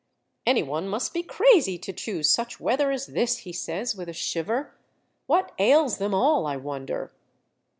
" Any one must be crazy to choose such weather 204 Monday Tales, as this," he says with a shiver ;" what ails them all, I wonder?"